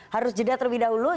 harus jeda terlebih dahulu